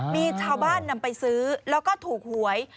มีชาวบ้านนำไปซื้อแล้วก็ถูกหวย